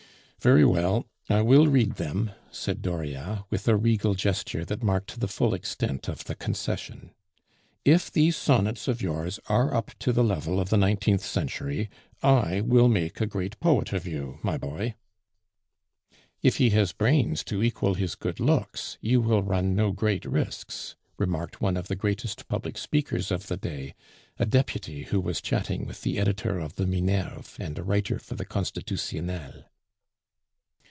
"Very well, I will read them," said Dauriat, with a regal gesture that marked the full extent of the concession. "If these sonnets of yours are up to the level of the nineteenth century, I will make a great poet of you, my boy." "If he has brains to equal his good looks, you will run no great risks," remarked one of the greatest public speakers of the day, a deputy who was chatting with the editor of the Minerve, and a writer for the Constitutionnel.